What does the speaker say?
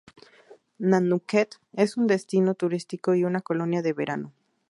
Nantucket es un destino turístico y una colonia de veraneo.